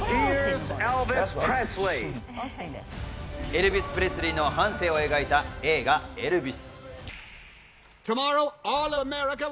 エルヴィス・プレスリーの半生を描いた映画『エルヴィス』。